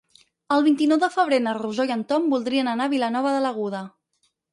El vint-i-nou de febrer na Rosó i en Tom voldrien anar a Vilanova de l'Aguda.